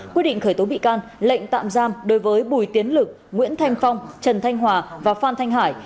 quyết định khởi tố bị can lệnh tạm giam đối với bùi tiến lực nguyễn thanh phong trần thanh hòa và phan thanh hải